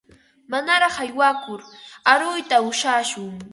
Manaraq aywakur aruyta ushashun.